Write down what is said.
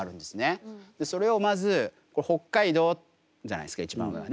それをまず北海道じゃないですか一番上はね。